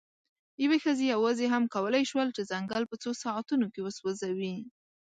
یوې ښځې یواځې هم کولی شول، چې ځنګل په څو ساعتونو کې وسوځوي.